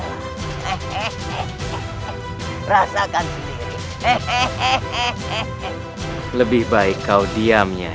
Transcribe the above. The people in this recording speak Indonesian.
hehehe rasakan sendiri hehehe lebih baik kau diam yai